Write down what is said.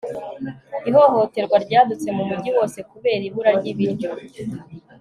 ihohoterwa ryadutse mu mujyi wose kubera ibura ry'ibiryo